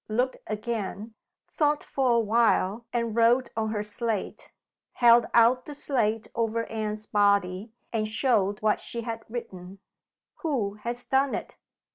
Looked again, thought for a while and wrote on her slate. Held out the slate over Anne's body, and showed what she had written: "Who has done it?"